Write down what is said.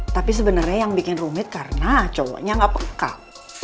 tapi sebenernya yang bikin rumit karena cowoknya gak pekal